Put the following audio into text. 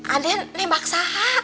ada yang nembak saja